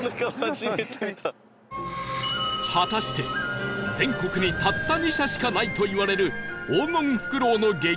果たして全国にたった２社しかないといわれる黄金フクロウの激